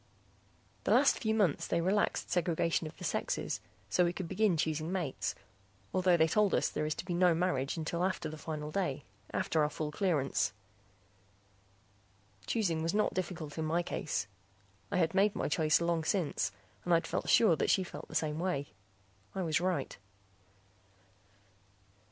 The last few months they relaxed segregation of the sexes so we could begin choosing mates, although they told us there is to be no marriage until after the final day, after our full clearance. Choosing was not difficult in my case. I had made my choice long since and I'd felt sure that she felt the same way; I was right.